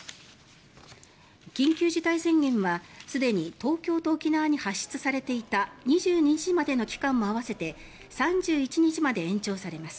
緊急事態宣言はすでに東京と沖縄に発出されていた２２日までの期間も合わせて３１日まで延長されます。